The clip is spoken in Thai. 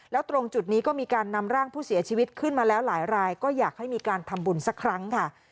แล้วตรงจุดนี้ก็มีการนำร่างผู้เสียชีวิตขึ้นมาแล้วหลายรายก็อยากให้มีการทำบุญสักครั้งค่ะ